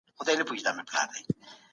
مولدي پانګي خلګو ته نوي دندي پيدا کړې.